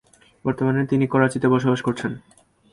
বর্তমানে তিনি করাচিতে বসবাস করছেন।